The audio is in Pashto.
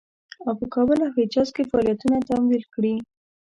او په کابل او حجاز کې فعالیتونه تمویل کړي.